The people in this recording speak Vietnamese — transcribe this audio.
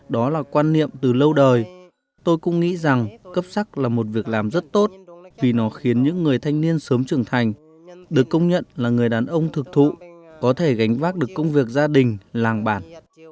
đó là quan niệm từ lâu đời tôi cũng nghĩ rằng cấp sắc là một việc làm rất tốt vì nó khiến những người thanh niên sớm trưởng thành được công nhận là người đàn ông thực thụ có thể gánh vác được công việc gia đình làng bản